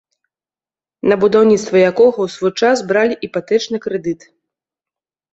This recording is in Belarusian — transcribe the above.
На будаўніцтва якога ў свой час бралі іпатэчны крэдыт.